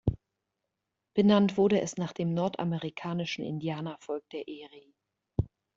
Benannt wurde es nach dem nordamerikanischen Indianervolk der Erie.